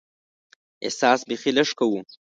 احساس بیخي لږ کوو.